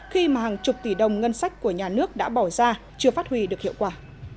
khi mà hàng chục tỷ đồng ngân sách của nhà nước đã bỏ ra chưa phát huy được hiệu quả